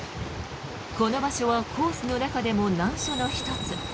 この場所はコースの中でも難所の１つ。